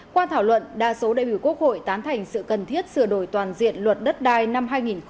qua thảo luận đa số đại biểu quốc hội tán thành sự cần thiết sửa đổi toàn diện luật đất đai năm hai nghìn một mươi ba